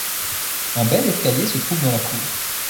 Un bel escalier se trouve dans la cour.